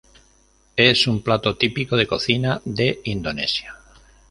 Es un plato típico de cocina de Indonesia.